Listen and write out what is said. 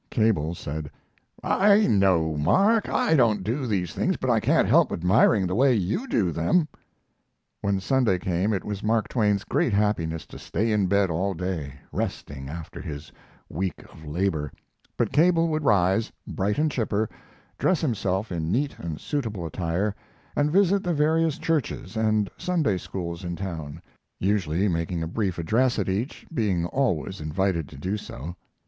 Cable said, "I know, Mark, I don't do these things, but I can't help admiring the way you do them." When Sunday came it was Mark Twain's great happiness to stay in bed all day, resting after his week of labor; but Cable would rise, bright and chipper, dress himself in neat and suitable attire, and visit the various churches and Sunday schools in town, usually making a brief address at each, being always invited to do so.